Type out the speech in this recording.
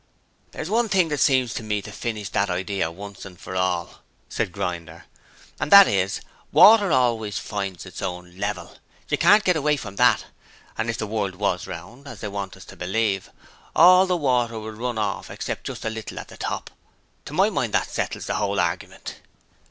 'There's one thing that seems to me to finish that idear once for all,' said Grinder, 'and that is water always finds its own level. You can't get away from that; and if the world was round, as they want us to believe, all the water would run off except just a little at the top. To my mind, that settles the whole argymint.'